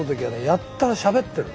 やたらしゃべってる。